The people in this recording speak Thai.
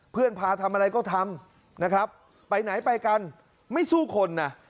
พาทำอะไรก็ทำนะครับไปไหนไปกันไม่สู้คนนะ